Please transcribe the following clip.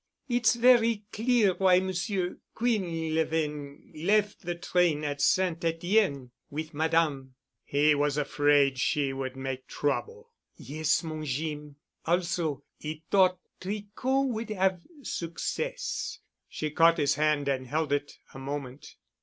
"It's very clear why Monsieur Quinlevin left the train at St. Etienne with Madame." "He was afraid she would make trouble." "Yes, mon Jeem. Also, 'e t'ought Tricot would have success." She caught his hand and held it a moment.